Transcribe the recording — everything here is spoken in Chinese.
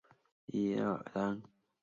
全国得票率亦居第四。